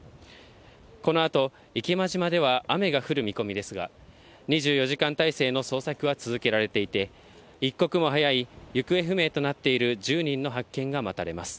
このあと、池間島では雨が降る見込みですが、２４時間態勢の捜索は続けられていて、一刻も早い、行方不明となっている１０人の発見が待たれます。